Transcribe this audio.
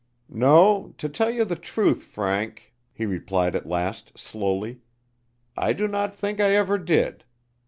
"No, to tell you the truth, Frank," he replied at last, slowly, "I do not think I ever did.